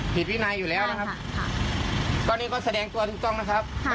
ผิดวินัยอยู่แล้วนะครับตอนนี้ก็แสดงตัวถูกต้องนะครับ